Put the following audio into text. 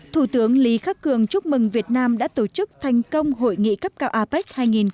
thủ tướng lý khắc cường chúc mừng việt nam đã tổ chức thành công hội nghị cấp cao apec hai nghìn hai mươi